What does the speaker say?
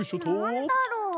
なんだろう？